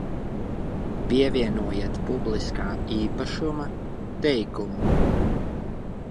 Pievienojiet publiskā īpašuma teikumu